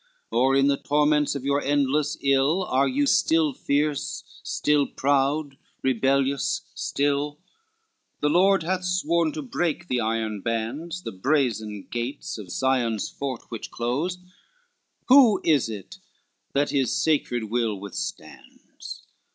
Or in the torments of your endless ill, Are you still fierce, still proud, rebellious still? LXIV "The Lord hath sworn to break the iron bands The brazen gates of Sion's fort which close, Who is it that his sacred will withstands?